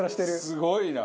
すごいな。